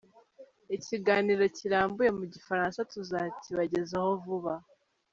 Ikiganiro kirambuye mu gifaransa tuzakibagezaho vuba.